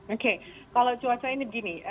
oke kalau cuaca ini begini